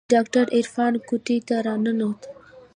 چې ډاکتر عرفان کوټې ته راننوت.